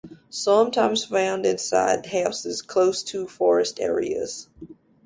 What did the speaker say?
Sometimes found inside houses close to forest areas.